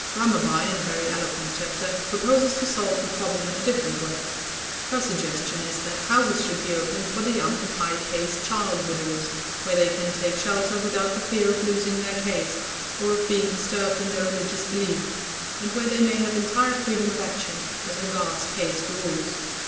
Ramabai, in a very eloquent chapter, proposes to solve the problem in a different way. Her suggestion is that houses should be opened for the young and high caste child widows, where they can take shelter without the fear of losing their caste, or of being disturbed in their religious belief, and where they may have entire freedom of action as regards caste rules.